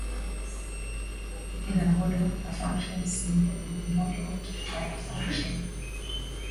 In a model, a function symbol will be modelled by a function.